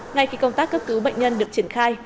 ngay khi công tác cấp cứu bệnh nhân được triển khai